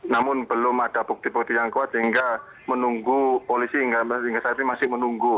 namun belum ada bukti bukti yang kuat sehingga menunggu polisi hingga saat ini masih menunggu